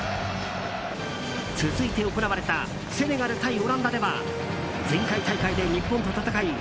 続いて行われたセネガル対オランダでは前回大会で日本と戦い